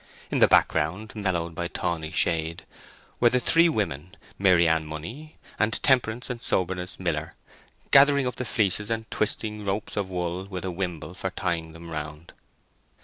In the background, mellowed by tawny shade, were the three women, Maryann Money, and Temperance and Soberness Miller, gathering up the fleeces and twisting ropes of wool with a wimble for tying them round.